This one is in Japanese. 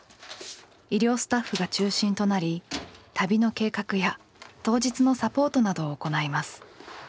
医療スタッフが中心となり旅の計画や当日のサポートなどを行います。